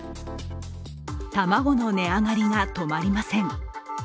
卵の値上がりが止まりません。